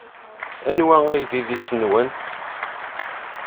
Anwa ay d idis-nwen?